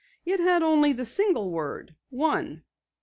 It had only the single word, 'One.'"